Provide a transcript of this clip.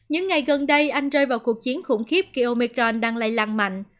những ngày gần đây anh rơi vào cuộc chiến khủng khiếp khi omicron đang lây lan mạnh